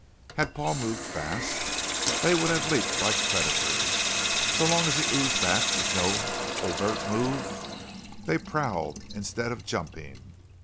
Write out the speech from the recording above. Had Paul moved fast, they would have leaped like predators; so long as he oozed back with no overt move, they prowled instead of jumping.